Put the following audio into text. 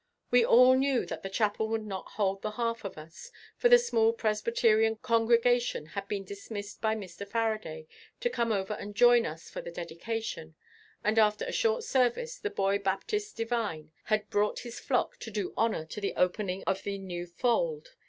We all knew that the chapel would not hold the half of us, for the small Presbyterian congregation had been dismissed by Mr. Farraday to come over and join us in the dedication, and after a short service the boy Baptist divine had brought his flock to do honor to the opening of the new fold.